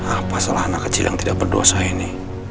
apa salah anak kecil yang tidak berdosa ini